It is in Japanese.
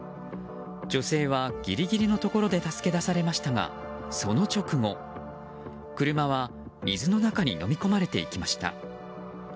女性はギリギリのところで助け出されましたがその直後、車は水の中にのみ込まれていきました。